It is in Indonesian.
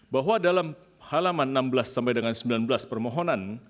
bahwa dalam halaman enam belas sampai dengan sembilan belas permohonan